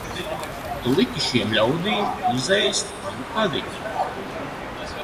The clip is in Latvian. Tu liki šiem ļaudīm izēst manu kadiķi!